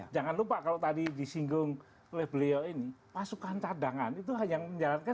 jangan lupa kalau tadi disinggung oleh beliau ini pasukan cadangan itu hanya menjalankan